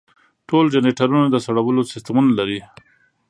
ټول جنریټرونه د سړولو سیستمونه لري.